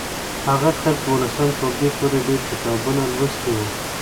هغه تر دولسم ټولګي پورې ډیر کتابونه لوستي وو.